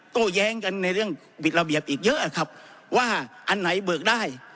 โต้แย้งกันในเรื่องบิดระเบียบอีกเยอะครับว่าอันไหนเบิกได้